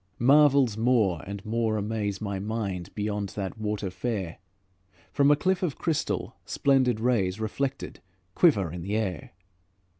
Marvels more and more amaze My mind beyond that water fair: From a cliff of crystal, splendid rays, Reflected, quiver in the air.